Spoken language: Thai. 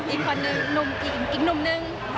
อีกคนนึงนุ่มนึง